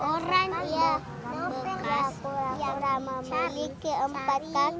yang ramah memiliki empat kaki